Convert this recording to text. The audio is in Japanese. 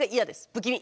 不気味！